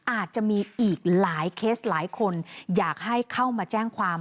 อาจจะมีอีกหลายเคสหลายคนอยากให้เข้ามาแจ้งความ